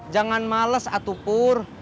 jangan males atupur